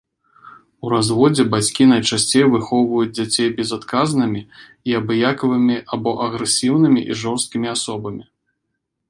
У разводзе бацькі найчасцей выхоўваюць дзяцей безадказнымі і абыякавымі або агрэсіўнымі і жорсткімі асобамі.